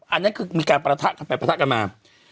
อันนั้นคือมีการประทะกันมา